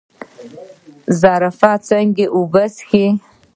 زرافه څنګه اوبه څښي؟